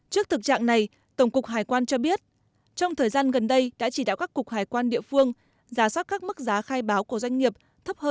trước thực trạng này tổng cục hải quan cho biết trong thời gian gần đây đã chỉ đạo các cục hải quan địa phương giả soát các mức giá khai báo của doanh nghiệp